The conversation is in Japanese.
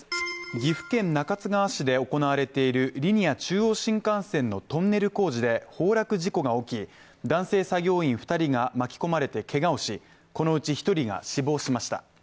岐阜県中津川市で行われているリニア中央新幹線のトンネル工事で崩落事故が起き、男性作業員２人が巻き込まれてけがをし、このうち１人が死亡しました。